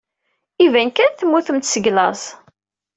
Iban kan temmutemt seg laẓ.